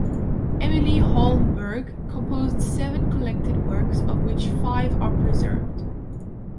Emilie Holmberg composed seven collected works of which five are preserved.